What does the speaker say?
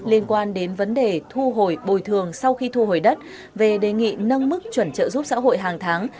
liên quan đến vấn đề thu hồi bồi thường sau khi thu hồi đất về đề nghị nâng mức chuẩn trợ giúp xã hội hàng tháng